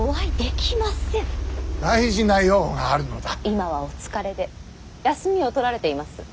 今はお疲れで休みを取られています。